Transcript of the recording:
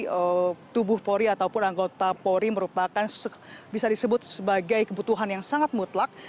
jadi tubuh polri ataupun anggota polri merupakan bisa disebut sebagai kebutuhan yang sangat mutlak